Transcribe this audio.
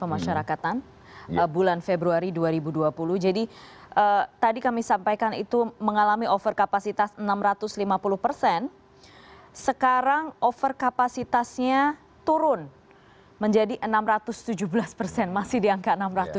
menurun menjadi enam ratus tujuh belas persen masih diangkat enam ratus